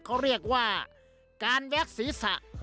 เขาเรียกว่าการแว็กศีรษะ